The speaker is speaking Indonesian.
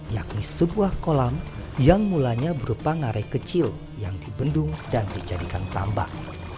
yakni sebuah kolam yang mulanya berupa ngare kecil yang dibendung dan dijadikan tambang